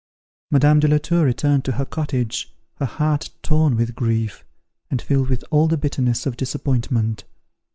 Madame de la Tour returned to her cottage, her heart torn with grief, and filled with all the bitterness of disappointment.